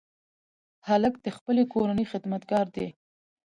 هلک د خپلې کورنۍ خدمتګار دی.